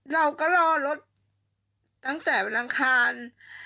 เราก็รอรถตั้งแต่วันอังคาร